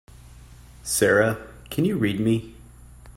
Sara can you read me?